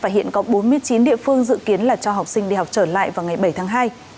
và hiện có bốn mươi chín địa phương dự kiến là cho học sinh đi học trở lại vào ngày bảy tháng hai